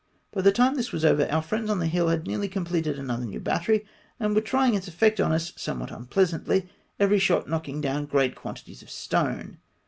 By the time this was over, our friends on the hill had nearly completed another new battery, and were trying its effect on us somewhat unpleasantly, every shot knock ing down great quantities of stone.